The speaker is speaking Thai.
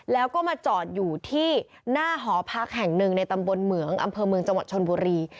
แล้วก็มาจอดอยู่ที่หน้าหอพักแห่งหนึ่งในตำบลเหมืองอำเภอเมืองจังหวัดชนบุรี